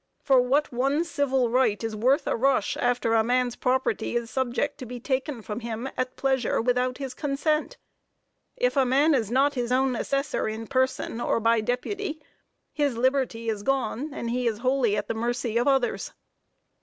For, what one civil right is worth a rush after a man's property is subject to be taken from him at pleasure without his consent? If a man is not his own assessor in person, or by deputy, his liberty is gone, or he is wholly at the mercy of others."